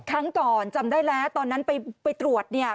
ครั้งก่อนจำได้แล้วตอนนั้นไปตรวจเนี่ย